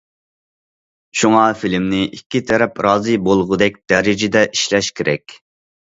شۇڭا فىلىمنى ئىككى تەرەپ رازى بولغۇدەك دەرىجىدە ئىشلەش كېرەك.